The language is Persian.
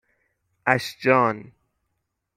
اَشجان